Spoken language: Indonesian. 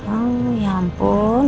oh ya ampun